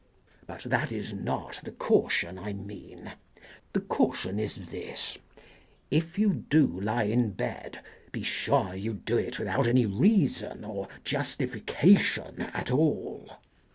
But that is not the caution I mean. The caution is this : if you do lie in bed, be sure you do it without any reason or justification at all.